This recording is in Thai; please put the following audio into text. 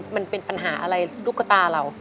มันเป็นปัญหาอะไรตุ๊กตาเรา